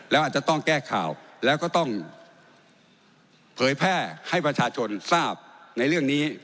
แล้วอาจจะต้องแก้ข่าวแล้วก็ต้องเผยแพร่ให้ประชาชนทราบในเรื่องนี้